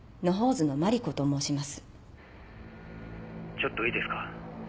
ちょっといいですか？